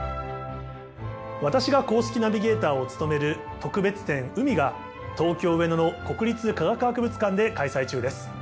私が公式ナビゲーターを務める特別展「海」が東京・上野の国立科学博物館で開催中です。